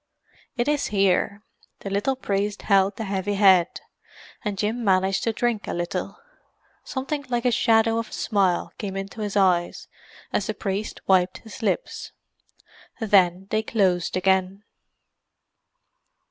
"It is here." The little priest held the heavy head, and Jim managed to drink a little. Something like a shadow of a smile came into his eyes as the priest wiped his lips. Then they closed again.